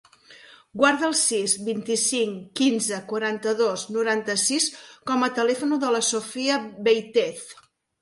Guarda el sis, vint-i-cinc, quinze, quaranta-dos, noranta-sis com a telèfon de la Sophia Vieitez.